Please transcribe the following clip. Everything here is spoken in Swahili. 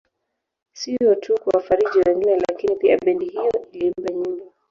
Sio tu kuwafariji wengine lakini pia bendi hiyo iliimba nyimbo